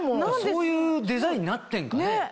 そういうデザインになってんかね。